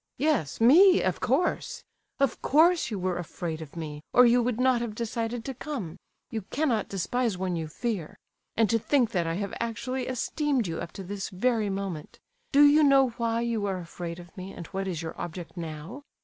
"Yes, me, of course! Of course you were afraid of me, or you would not have decided to come. You cannot despise one you fear. And to think that I have actually esteemed you up to this very moment! Do you know why you are afraid of me, and what is your object now?